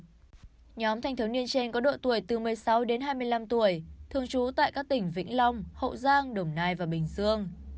nhóm thanh thiếu niên trên có độ tuổi từ một mươi sáu đến hai mươi năm tuổi thường trú tại các tỉnh vĩnh long hậu giang đồng nai và bình dương